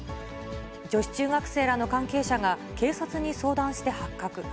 女子中学生らの関係者が、警察に相談して発覚。